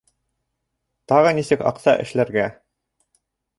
Тағы нисек аҡса эшләргә?